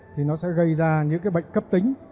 thì nó sẽ gây ra những cái bệnh cấp tính